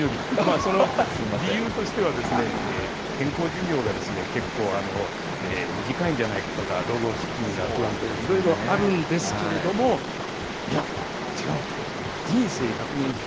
その理由としては、健康寿命がですね、結構短いんじゃないかとか、老後資金が不安とか、いろいろあるんですけれども、いや、違うんだ、人生１００年時代